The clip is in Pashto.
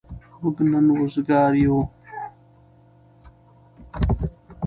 موږ نن وزگار يو.